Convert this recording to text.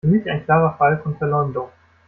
Für mich ein klarer Fall von Verleumdung.